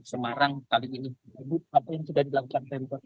semarang kali ini apa yang sudah dilakukan